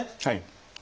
はい。